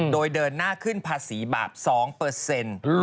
โดยเดินหน้าขึ้นภาษีบาป๒เปอร์เซ็นต์